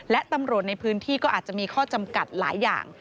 และตำรวจในพื้นที่ก็อาจจะมีข้อจำกัดหลายอย่าง